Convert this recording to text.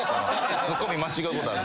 ツッコミ間違うことある。